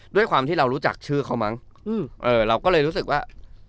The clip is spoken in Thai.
ด้วยความที่เรารู้จักชื่อเขามั้งเราก็เลยรู้สึกว่า